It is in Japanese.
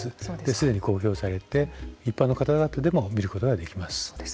すでに公表されて一般の方々でも見ることができます。